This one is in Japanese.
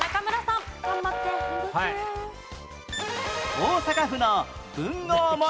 大阪府の文豪問題